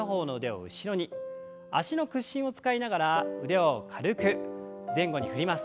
脚の屈伸を使いながら腕を軽く前後に振ります。